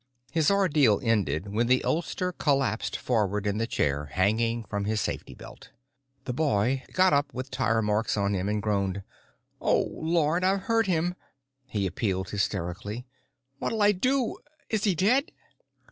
His ordeal ended when the oldster collapsed forward in the chair, hanging from his safety belt. The boy got up with tire marks on him and groaned: "Oh, lord! I've hurt him." He appealed hysterically: "What'll I do? Is he dead?"